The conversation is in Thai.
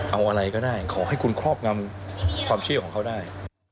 เอาอะไรก็ได้ขอให้คุณครอบงำความเชื่อของเขาได้